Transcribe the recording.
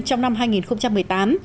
trong năm hai nghìn một mươi tám